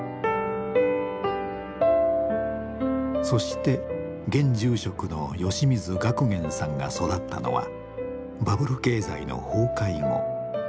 そして現住職の吉水岳彦さんが育ったのはバブル経済の崩壊後。